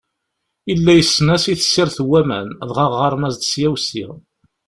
Yella yessnen-as i tessirt n waman, dɣa ɣɣaren-as-d ssya u ssya.